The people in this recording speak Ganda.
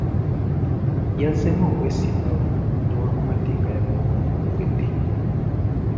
Yazzeemu okwesimbawo newankubadde nga yagwa omwaka oguwedde.